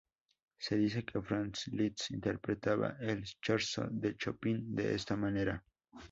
Se dice que Franz Liszt interpretaba el Scherzo de Chopin de esta manera.